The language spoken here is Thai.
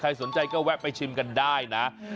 สนใจก็แวะไปชิมกันได้นะ